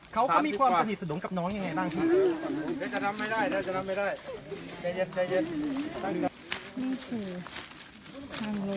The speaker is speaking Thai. เขาก็มีความผิดสนุนกับน้องอย่างไรบ้างครับ